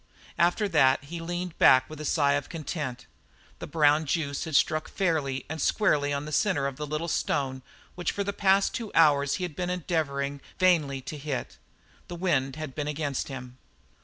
After that he leaned back with a sigh of content; the brown juice had struck fairly and squarely on the centre of the little stone which for the past two hours he had been endeavouring vainly to hit. The wind had been against him.